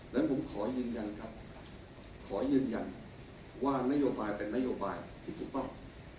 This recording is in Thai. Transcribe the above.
และผมขอยืนยันครับขอยืนยันว่านโยบายเป็นนโยบายที่ถูกต้อง